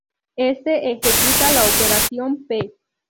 Éste ejecuta la operación "P".